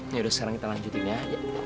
yaudah sekarang kita lanjutin ya